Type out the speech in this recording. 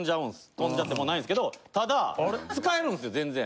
飛んじゃってもうないんですけどただ使えるんですよぜんぜん。